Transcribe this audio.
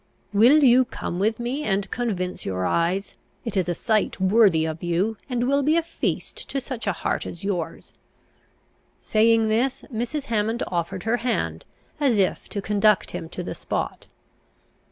"Will you come with me, and convince your eyes? It is a sight worthy of you; and will be a feast to such a heart as yours!" Saying this, Mrs. Hammond offered her hand, as if to conduct him to the spot.